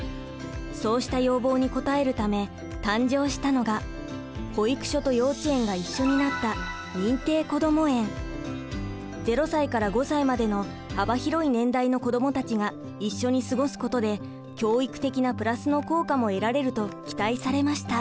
そうした要望に応えるため誕生したのが保育所と幼稚園が一緒になった０歳から５歳までの幅広い年代の子どもたちが一緒に過ごすことで教育的なプラスの効果も得られると期待されました。